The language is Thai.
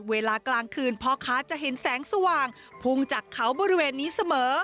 เวลากลางคืนพ่อค้าจะเห็นแสงสว่างพุ่งจากเขาบริเวณนี้เสมอ